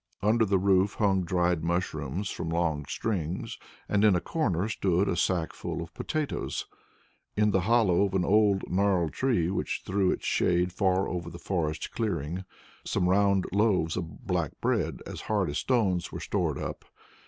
Under the roof hung dried mushrooms from long strings and in a corner stood a sack full of potatoes. In the hollow of an old gnarled tree which threw its shade far over the forest clearing, some round loaves of black bread as hard as stones were stored up.